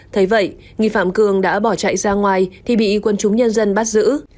thế vậy nghi phạm cương đã bỏ chạy ra ngoài thì bị quân chúng nhân dân bắt giữ